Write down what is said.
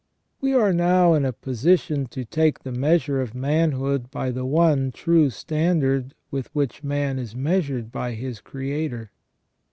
We are now in a position to take the measure of manhood by the one true standard with which man is measured by his Creator.